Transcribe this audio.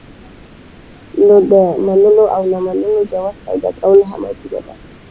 نو د منلو او نۀ منلو جواز پېدا کول هم عجيبه ده